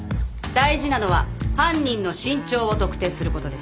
大事なのは犯人の身長を特定することです。